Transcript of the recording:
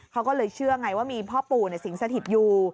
เขาก็เลยเชื่อไงว่ามีพ่อปู่สิงสถิตอยู่